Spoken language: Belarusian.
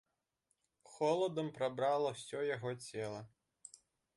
Холадам прабрала ўсё яго цела.